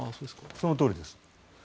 そのとおりです。